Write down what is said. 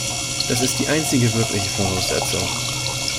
Das ist die einzige wirkliche Voraussetzung.